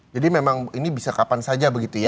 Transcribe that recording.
jadi memang ini bisa kapan saja begitu ya